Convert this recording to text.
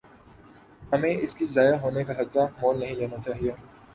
ہمیں اس کے ضائع ہونے کا خطرہ مول نہیں لینا چاہیے۔